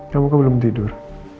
kamu kok belum tidur